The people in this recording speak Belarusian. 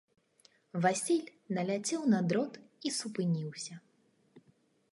Васіль наляцеў на дрот і супыніўся.